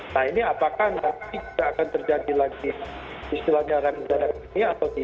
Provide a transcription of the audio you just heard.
nah ini apakah nanti tidak akan terjadi lagi istilahnya ramizanak ini atau tidak itu kan yang terjadi